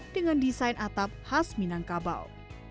dengan desain atap khas minangkabau